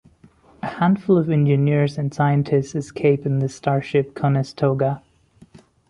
A handful of engineers and scientists escape in the starship "Conestoga".